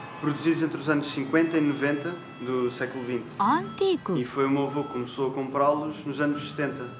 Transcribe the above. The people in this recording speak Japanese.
アンティーク。